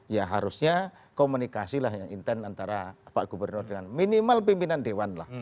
ya harusnya komunikasi lah yang intent antara pak gubernur dengan minimal pimpinan dewan lah